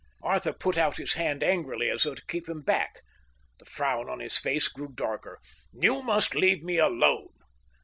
Arthur put out his hand angrily, as though to keep him back. The frown on his face grew darker. "You must leave me alone.